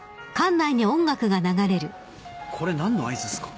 これ何の合図っすか？